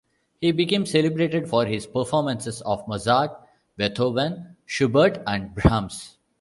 He became celebrated for his performances of Mozart, Beethoven, Schubert and Brahms.